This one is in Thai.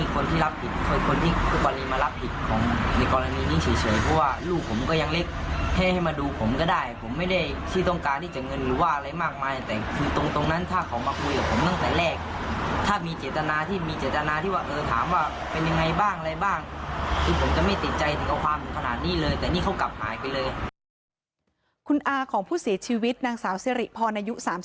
คุณอาของผู้เสียชีวิตนางสาวเสร็จพน๓๒